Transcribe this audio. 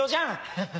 ハハハ。